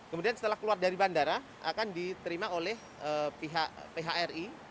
kemudian setelah keluar dari bandara akan diterima oleh pihak phri